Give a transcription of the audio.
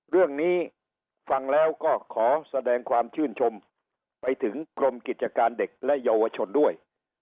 เรื่องนี้ฟังแล้วก็ขอแสดงความชื่นชมไปถึงกรมกิจการเด็กและเยาวชนด้วย